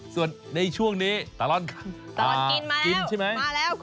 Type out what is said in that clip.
ส่วนในช่วงนี้ตะลอนกินใช่ไหม